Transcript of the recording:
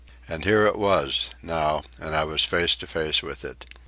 And here it was, now, and I was face to face with it.